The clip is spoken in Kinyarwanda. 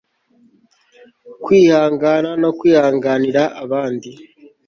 kwihangana no kwihanganira abandi